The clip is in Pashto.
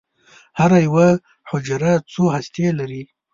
هره یوه حجره څو هستې لري.